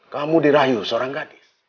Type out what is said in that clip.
kamu dirayu seorang gadis